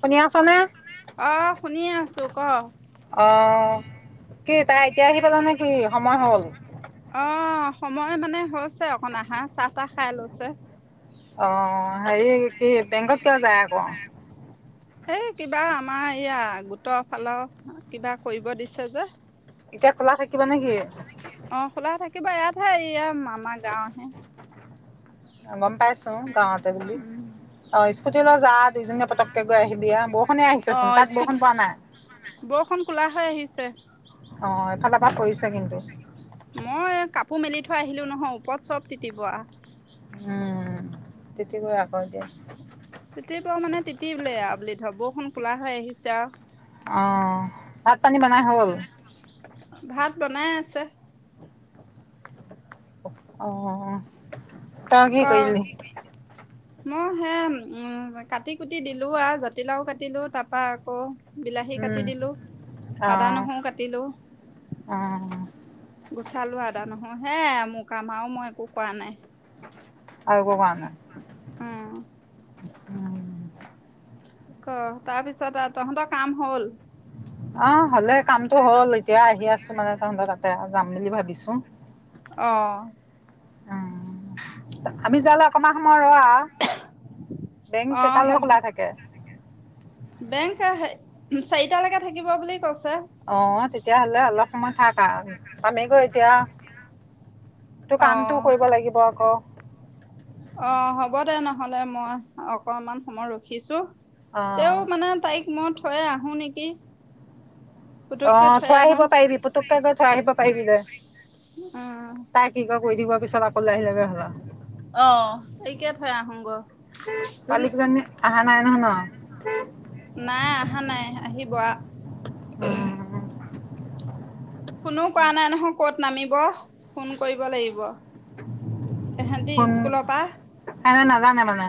শুনি আছ? নে? অঁ, শুনিয়ে আছো, ক'? অ', কি তাই এতিয়া আহি পালেনে কি, সময় হ'ল? অ', সময় মানে হৈছে অকণ আহা, চাহ তাহ খাই লৈছে। অ', হেৰি কি বেংকত কিয় যায় আকৌ? এই কিবা আমাৰ ইয়া গোটৰ ফালৰ কিবা কৰিব দিছে যে। এতিয়া খোলা থাকিব নে কি? অ' খোলা থাকিব, ইয়াতহে ইয়া আমাৰ গাঁৱতহে। অ' গম পাইছোঁ গাঁৱতে বুলি, উম অ' স্কুটিলৈ যা দুইজনীয়ে পটককে গৈ আহিবি আৰু বহু অ' স্কুট, বৰষুণ কোলা হৈ আহিছে। অ' এফালৰ পৰা পৰিছে কিন্তু। মই কাপোৰ মেলি থৈ আহিলোঁ নহয়, ওপৰত চব তিতিব আ। উম, তিতিব আকৌ এতিয়া। তিতিব মানে তিতিলেই বুলি ধৰ বৰষুণ কোলা হৈ আহিছে আৰু। অ', ভাত পানী বনাই হ'ল? ভাত বনাই আছে। অ'। তই কি ক। কৰিলি? মই হে, উম, কাটি কুটি দিলোঁ আৰু জাতিলাও কাটিলো তাৰ পৰা আকৌ বিলাহী কাটি উম দিলোঁ, আদা অ' নহৰু কাটিলো। অ' গুচালোঁ আদা নহৰু, হেয়াই মোৰ কাম আৰু মই একো কৰা নাই। আৰু একো কৰা নই? উম। ক, তাৰপিছত আৰু তহঁতৰ কাম হ'ল? অ' হ'লে কামটো হ'ল, এতিয়া আহি আছোঁ মানে তহঁতৰ তাতে যাম বুলি ভাবিছোঁ। অ'। উম, আমি যোয়ালে অকমান সময় ৰ' আ। বেংক অ' হ কেইটালৈ খোলা থাকে? বেংক হে, চাৰিটালৈকে থাকিব বুলি কৈছে। অ' তেতিয়া হ'লে অলপ সময় থাক আ, পামেগৈ এতিয়া, তোৰ অ কামটোও কৰিব লাগিব আকৌ। অ' হ'ব দে নহ'লে মই অকমান সময় ৰখিছোঁ। তেওঁ অ', মানে তাইক মই থৈ আহোঁ নেকি। পুতুককে অ' থৈ আহো আহিব পাৰিবি, পুতুককে গৈ থৈ আহিব পাৰিবি দে উম তাইক কি কৰে কৰি দিব পিছত আকৌ আহিলেগে হ'ল আও। অ' একে থৈ আহোগৈ ধোন পোৱালি কিজনী আহা নাই নহয় ন'? নাই আহা নাই আহিব আ। উম, ফোনো কৰা নাই নহয় ক'ত নামিব, ফোন কৰিব লাগিব। ইহঁতে ফোন স্কুলৰ পৰা সিহঁতে নাজানে মানে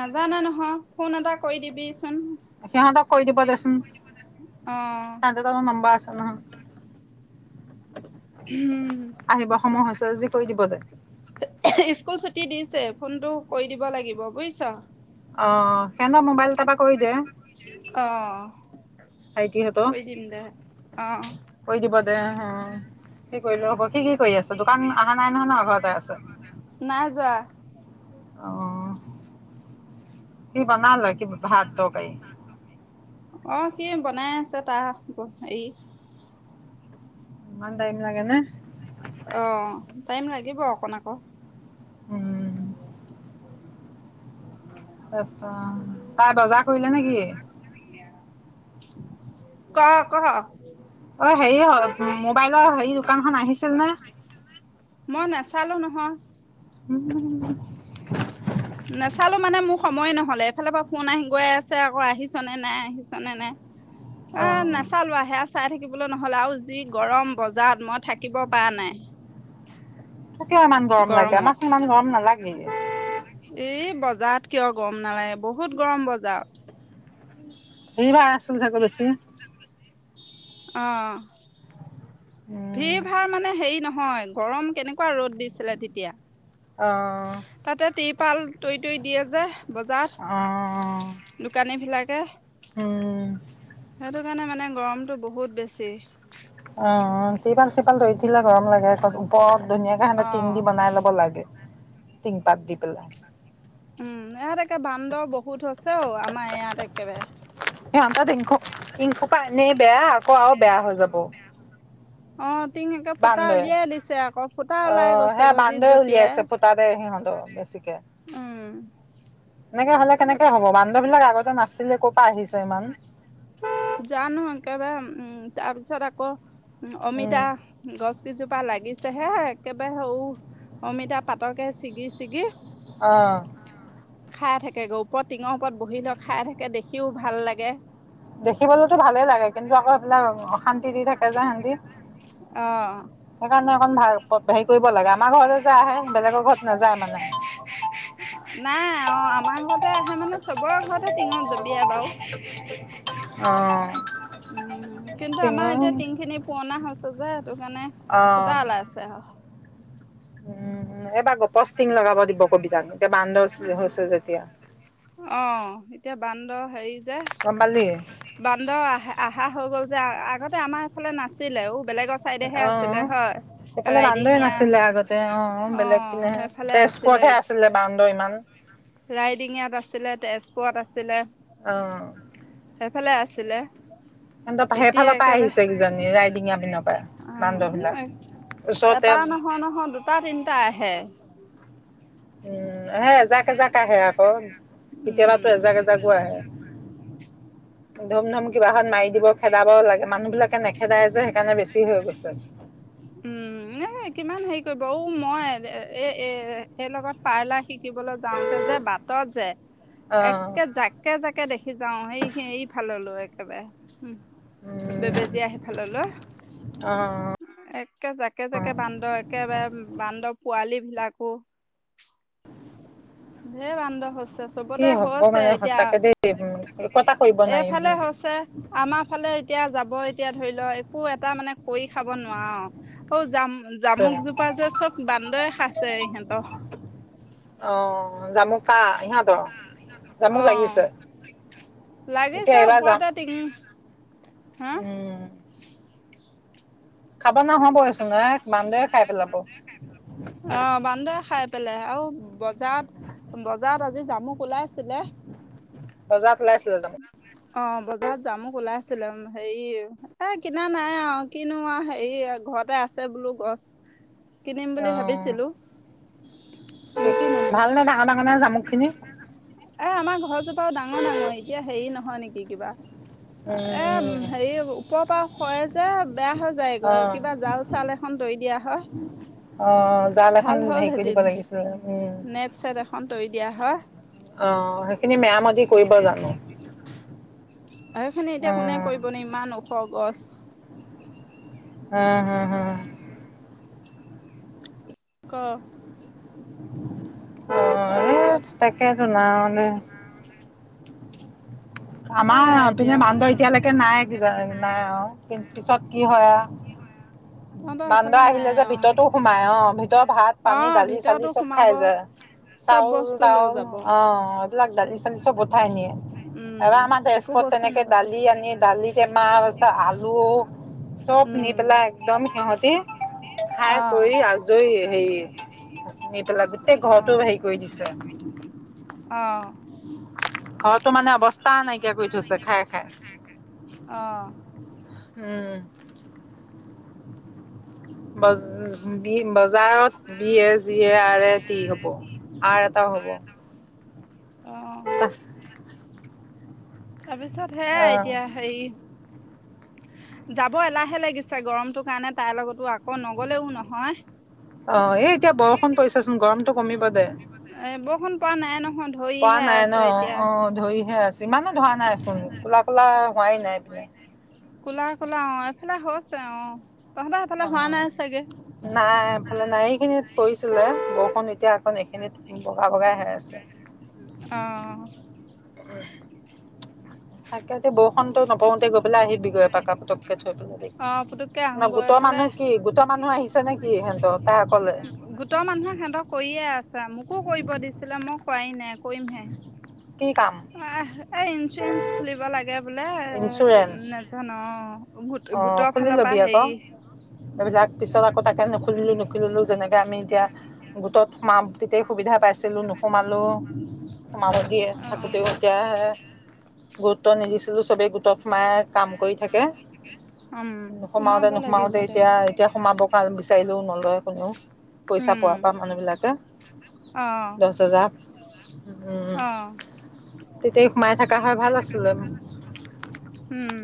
নাজানা নহয়, ফোন এটা কৰি দিবিচোন। সিহঁতক কৰি দিব দেচোন অ [unintelligible] দেউতাকৰ নাম্বাৰ আছে নহয়। [inaudible] আহিব সময় হৈছে যদি কৰি দিব দে। স্কুল ছুটি দিছে, ফোনটো কৰি দিব লাগিব বুজিছ। অ' হেনৰ মোবাইলৰ তাপা কৰি দে। অ। ভাইটীহঁতো কৰি দিম দে অ কৰি দিব দে হ, সি কৰিলেও হ'ব। সি কি কৰি আছে? দোকান আহা নাই নহয় ন ঘৰতে আছে? নাই যোৱা। অ কি বনালে কি ভাত তৰকাৰী। অ হেৰি বনাই আছে তা ব হেৰি ইমান টাইম লাগে নে? অ' টাইম লাগিব অকণ আকৌ। [inaudible] [unintelligible] তাই বজাৰ কৰিলে নে কি? ক', ক' অ' হেৰি হ'ল মোবাইলৰ হেৰি দোকানখন আহিছিল নে? মই নেচালো নহয়। উম নেচালো মানে মোৰ সময়ে নহ'লে, এফালৰ পৰা ফোন আহি গৈ আছে আকৌ, আহিছ নে নাই, আহিছ নে নাই? [inaudible] আ নাচালোৱা হে চাই থাকিবলৈ নহলে, আৰু যি গৰম বজাৰত, মই থাকিব পৰা নাই। তোৰ কিয় ইমান গৰম লাগে? আমাৰ গৰমত চোন ইমান গৰম নালাগেই। ই বজাৰত কিয় গৰম নালাগে, বহুত গৰম বজাৰত। হেৰি বা আছিল চাগৈ বেছি। অ' সেই ভাৰ মানে হেৰি নহয় গৰম কেনেকুৱা ৰ'দ দিছিলে তেতিয়া। অ'। তাতে তিৰপাল তৈ, তৈ দিয়ে যে। অ', বজাৰত দোকানী বিলাকে উম। সেইটো কাৰণে মানে গৰমটো বহুত বেছি। অ', তিৰপাল-চিৰপাল তৰি দিলে গৰম লাগে আক পপ ধুনীয়াকে হেত টিং দি অ'। বনাই ল'ব লাগে টিং পাত দি পেলাই। উম, ইহাত একে বান্দৰ বহুত হৈছে অ' আমাৰ ইয়াত একেবাৰে। [unintelligible] টিংসোপা এনেই বেয়া আকৌ আও বেয়া হৈ যাব। অ' টিন একে ফুটা বান্দৰে উলিয়াই দিছে আকৌ ফুটা ওলাই অ', গৈছে সেয়া গজিত বান্দৰে জঁপিয়াই। উলিয়াইছে ফুটা দে সিহঁত বেছিকে। উম এনেকে হ'লে কেনেকে হ'ব বান্দৰবিলাক আগতে নাছিলে ক'ৰ আহিছে ইমান জানোঁ! একেবাৰে, উম! তাৰপিছত আকৌ, উম, অমিতা। গছ কিজোপা লাগিছেহে এককেবায়ে হৌ অমিতা পাতকে ছিগি ছিগি অ', খাই থাকেগে, ওপৰত টিঙৰ ওপৰত বহি লৈ খাই থাকে দেখিও ভাল লাগে। দেখিবলেতো ভালেই লাগে, কিন্তু আকৌ সেইফালে অশান্তি দি থাকে যে সিহেঁতি। অ' সেইকাৰণে অকণ ভাল হেৰি কৰিব লাগে। আমাৰ ঘৰলে যে আহে, বেলেগৰ ঘৰত নাযায় মানে। নাই, অ' আমাৰ ঘৰতে আহে মানে চবৰে ঘৰতে টিঙত জপিয়াই বাৰু। অ', উম, কিন্তু আমাৰ টিঙৰ এতিয়া টিংখিনি পুৱনা হৈছে যে সেইটো কাৰণে ফুটা অ', ওলাইছে আউ। উম, এইবাৰ গপছ টিং লগাব দিব কবি তাক, এতিয়া বান্দৰ হৈছে যেতিয়া। অ' এতিয়া বান্দৰ হেৰি যে। গম পালি বান্দৰ আহ-আহা হৈ গ'ল যে, আ-আগতে আমাৰ এইফালে নাছিলে ঔ বেলেগৰ চাইডেহে অ', আছিলে অ' হয় সেফালে বান্দৰে ৰাইডিঙীয়া নাছিলে আগতে অ', বেলেগ পিনেহে সেইফালে তেজপুৰতহে আছিলে বান্দৰ ইমান। ৰাইডিঙিয়াত আছিলে, তেজপুৰত আছিলে। অ'। সেফালে আছিলে। [unintelligible] এতিয়া সেইফালৰ পা একেবাৰে আহিছে কিজানি ৰাইদিঙীয়া পিনৰপা বান্দৰবিলাক ওচৰতে হয় নহয় দুটা তিনটা আহে। উম হে এজাক-এজাক আহে আকৌ কেতিয়াবাতো উম এজাক-এজাক [unintelligible] ধুম ধম কিবা খন মাৰি দিব। খেদাবও লাগে, মানুহবিলাকে নেখেদাই যে সেইকাৰণে বেছি হৈ গৈছে। উম এ কিমান হেৰি কৰিব, ঔ মই এ-এ এইৰ লগত পাৰলা শি কিবলে যাওঁতে যে বাটত যে অ'। একে জাক কে জাকে দেখি যাওঁ, এইখি এইফাললৈ একেবাৰে, উম। উম, বেবেজীয়া সেফাললৈ একে জাকে-জাকে বান্দৰ একেবাৰে বান্দৰ পোৱালী বিলাকো ঢেৰ বান্দৰ হৈছে, কি চবতে হ'ব হৈছে মানে এতিয়া। সঁচাকে দেই উম, একো এটা কৰিব এইফালে নোৱাৰিবি হৈছে আমাৰ ফালে এতিয়া যাব এতিয়া ধৰি ল একো এটা মানে কৰি খাব নোৱাৰোঁ। অ', তোন। জাম-জামুক জোপা যে চব বান্দৰে খাইছে ইহঁতৰ। অ', জামু কাৰ, ইহঁতৰ? জামুক অ', লাগিছে এতিয়া লাগিছে, এইবাৰ যাম। ওপৰতে টিং আ উম, খাব নহবয়ে চোন এ বান্দৰে খাই পেলাব। অ', বান্দৰে খাই পেলাই আৰু বজাৰত, বজাৰত আজি জামুক ওলাইছিলে। বজাৰত ওলাইছিলে জামুক? অ', বজাৰত জামুক ওলাইছিলে উম হেৰি, এ কিনা নাই আও কিনো আৰু হেৰি ঘৰতে আছ আছে বোলো গছ [inaudible] কিনিম বুলি ভাবিছিলোঁ। ভাল নে ডাঙৰ-ডাঙৰ নে জামুকখিনি? এ আমাৰ ঘৰজোপাও ডাঙৰ-ডাঙৰ, এতিয়া হেৰি নহয় নেকি কিবা? এ উম। হেৰি ওপৰ পা সৰে যে বেয়া হৈ যায়গৈ, অ'। কিবা জাল-চাল এখন তৰি দিয়া হয়। অ', জাল এখন ভাল হেৰি কৰি দিব লাগিছিল। উম। ছেট এখন তৰি দিয়া হয়। অ', হেখিনি মেআমতি কৰিব জানোঁ? সেইখিনি এতিয়া কোনে অ' কৰিব নো ইমান ওখ গছ। উম হু হু। ক। উম এ তাৰপিছত তাকেতো [unintelligible] আমাৰ সেয়াই এতিয়া এপিনে বান্দৰ এতিয়ালেকে নাই। [unintelligible] নাই আও পিছত কি হয় আও তহঁতৰ সেইফালে বান্দৰ নাই আহিলে যে আৰু ভিতৰতো সোমাই অ', ভিতৰ অ ভাত-পানী, ভিতৰতো দালি-চালি চব খাই সোমাব যায়। চব বস্তু লৈ চাউল-তাউল যাব অ', এইবিলাক দালি-চালি চব উঠাই নিয়ে। অ উম এবাৰ আমাৰ একো তেজপুৰত বস্তু তেনেকে নাপাবি। দালি আনি দালি টেমা আছ আলু চব নি উম পেলাই একদম সিহতি অ খাই কৰি আ [unintelligible] হেৰি নি পেলে গোটেই অ ঘৰতো হেৰি কৰি দিছে। অ ঘৰটো মানে অৱস্থা ঘৰটো নাইকিয়া মানে কৰি থৈছে অৱস্থা খাই নাইকিয়া খাই কৰি থৈছে খাই খাই। অ। উম। বজ বি বজাৰত বি এ যি এ আৰ এ টি হ'ব, আৰ এটাও হ'ব। অ। তাৰপিছত সেয়াই আহ এতিয়া হেৰি যাব এলাহে লাগিছে গৰমটো কাৰণে তাইৰ লগতো আকৌ নগলেও নহয়। অ এই এতিয়া বৰষুণ পৰিছোচোন গৰমতটো কমিব দে। এ বৰষুণ পৰা নাই নহয় পৰা ধৰিহে নাই ন আছে এতিয়া। অ ধৰিহে আছে, ইমানো ধৰা নাইচোন ক'লা ক'লা হোৱাই নাই। ক'লা ক'লা অ এইফালে হৈছে অ। তহঁতৰ সেইফালে অ হোৱা নাই চাগে নাই, এইফালে নাই এইখিনিত পৰিছিলে বৰষুণ এতিয়া অকণ এইখিনিত বগা বগাই হৈ আছে। অহ। [unintelligible] তাকে এতি বৰষুটো নপওঁতে গৈ পেলে আহিবি গৈ এপাক আও পতকে থৈ পেলাই অ পুতুকে ন আহো গৈ গোটৰ এইফালে মানুহ কি গোটৰ মানুহ আহিছে নেকি ইহঁতৰ তাই অকলে গোটৰ মানুহে সিহঁতক কৰিয়ে আছে, মোকো কৰিব দিছিলে মই কৰাই নাই কৰিমহে। কি কাম আহ এ ইঞ্চুৰেঞ্চ খুলিব লাগে বোলে এ কি না ধন অ। অ খুলি লবি আকৌ এইবিলাক পিছত আকৌ তাক কে নুুখুলিলো নুুখুলিলো যেনেকে আমি এতিয়া গোটত সোমাম তেতিয়াই সুবিধা পাইছিলো নোসোমালো সোমাব দিয়ে অ থাকোঁতেও এতিয়াহে গুৰুত্ব নিদিছিলোঁ চবেই গোটত সোমাই কাম কৰি থাকে। উম নোসোমাওঁতে সোমাব লাগিব নোসোমাওঁতে দে এতিয়া এতিয়া সোমাব কা বিচাৰিলেও নলয় কোনেও। পইচা উম পোৱাৰ পৰা মানুহবিলাকে, অ দহ হেজাৰ। উম অ তেতিয়াই সোমাই থকা হৈ ভাল আছিলে। উম।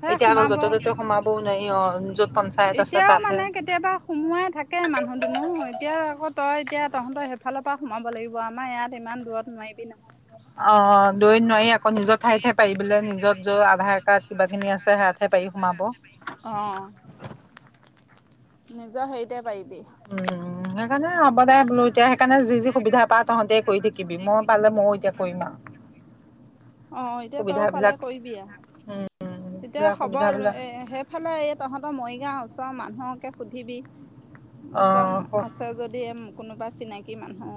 হে এতিয়া আকৌ সোমাব, য'তে ত'তে সোমাবও নোৱাৰি অঁ য'ত পঞ্চায়ত আছে এতিয়াও তাতহে মানে কেতিয়াবা সোমোৱাই থাকে মানুহ দুনো, এতিয়া আকৌ তই এতিয়া তহঁতৰ সেইফালৰ পৰা সোমাব লাগিব। আমাৰ ইয়াত ইমান দূৰত নোৱাৰিবি নহয়। অ দূৰৈত নোৱাৰি আকৌ, নিজৰ ঠাইত হে পাৰি বোলে। নিজৰ য'ত আধাৰ কাৰ্ড কিবা-কিনি আছে, হেয়াত হে পাৰি সোমাব। অ। নিজৰ হেৰিতে পাৰিবি। উম সেইকাৰণে হ'ব দে বোলো এতিয়া সেইকাৰণে যি যি সুবিধা পাওঁ তহঁতেই কৰি থাকিবি মই পালে ময়ো এতিয়া কৰিম আও। অ এতিয়া তইও পালে কৰিবি আও, এতিয়া খবৰ সুবিধাবিলাক এ হে সেইফালে এই তহঁতৰ মৰিগাঁওৰ ওচৰৰ মানুহকে সুধিবি। ওচৰত অ' আছে যদি, কোনোবা চিনাকি মানুহ।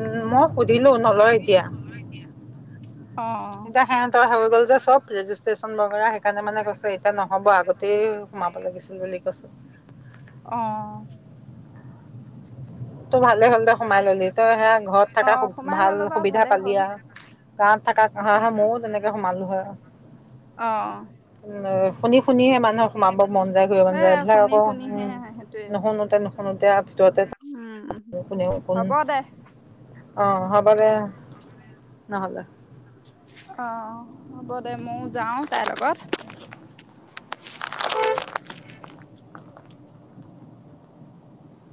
উম্, মই সুধিলোঁ, নলয় এতিয়া। অ এতিয়া সেহে তৰ হৈ গ'ল যে, চব ৰেজিষ্ট্ৰেশচন বগৰা। সেইকাৰণে মানে কৈছে এতিয়া নহ'ব, আগতেই সোমাব লাগিছিলে। সেইবুলি কৈছে। অ'। তোৰ ভালে হ'ল দে সোমাই ললি, তই সেয়া ঘৰত অ থকা সোমাই ভাল ললো বাৰু সুবিধা ভালেই পালি হ'ল আৰু। গাঁৱত থকা হয়, উম ময়ো তেনেকে সোমালো হয়। অ', উম্, শুনি শুনিহে মানুহ সোমাব মন যায়, ঘূৰিব সে মন যায়। এইবিলাক শুনি আকৌ শুনিহে উম্, সেইটোৱে নুশুনোতে নুশুনোতে আৰু ভিতৰতে উম কোনেও চোন, হ'ব দে অ' হ'ব দে, নহ'লে। অ', হ'ব দে। মই যাওঁ, তাইৰ লগত।